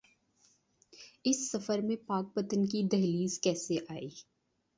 اس سفر میں پاک پتن کی دہلیز کیسے آئی؟